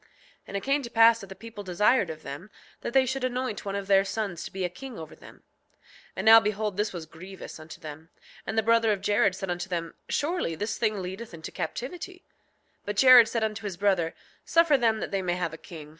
6:22 And it came to pass that the people desired of them that they should anoint one of their sons to be a king over them. 6:23 And now behold, this was grievous unto them. And the brother of Jared said unto them: Surely this thing leadeth into captivity. 6:24 But Jared said unto his brother: Suffer them that they may have a king.